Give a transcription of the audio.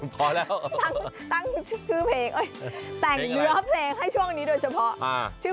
คล้องกินคล้องกินคล้องกิน